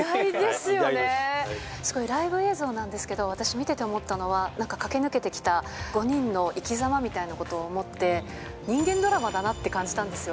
すごいライブ映像なんですけど、私見てて思ったのは、なんか駆け抜けてきた５人の生きざまみたいなことを思って、人間ドラマだなって感じたんですよ。